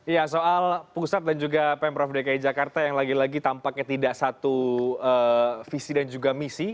ya soal pusat dan juga pemprov dki jakarta yang lagi lagi tampaknya tidak satu visi dan juga misi